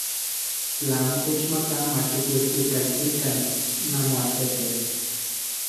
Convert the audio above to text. Tla amo techmakaj, makiuiuikaltikan namoaltepe.